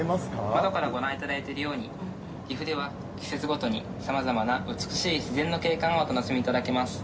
窓からご覧いただいておりますように、岐阜では、季節ごとにさまざまな美しい自然の景観をお楽しみいただけます。